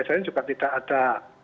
saya juga tidak ada